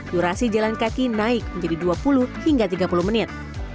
durasi jalan kaki naik menjadi dua puluh hingga tiga puluh menit